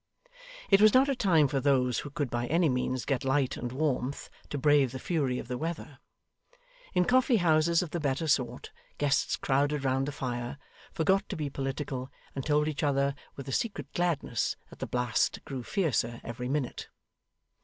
It was not a time for those who could by any means get light and warmth, to brave the fury of the weather. In coffee houses of the better sort, guests crowded round the fire, forgot to be political, and told each other with a secret gladness that the blast grew fiercer every minute.